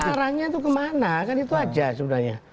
sekarangnya itu kemana kan itu aja sebenarnya